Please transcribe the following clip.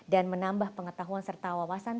dan menambah pengetahuan serta wawasan